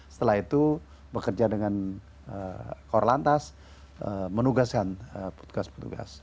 setelah itu bekerja dengan korlantas menugaskan petugas petugas